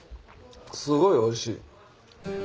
すごいおいしい。